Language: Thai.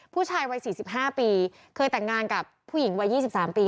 ผู้ชายวัยสี่สิบห้าปีเคยแต่งงานกับผู้หญิงวัยยี่สิบสามปี